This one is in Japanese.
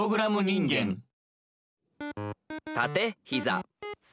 「たてひざ」。